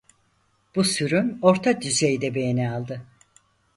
Bu sürüm orta düzeyde beğeni aldı.